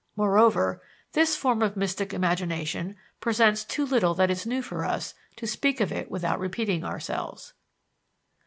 Moreover, this form of mystic imagination presents too little that is new for us to speak of it without repeating ourselves.